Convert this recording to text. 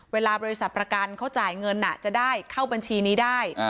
เวลาบริษัทประกันเขาจ่ายเงินจะได้เข้าบัญชีนี้ได้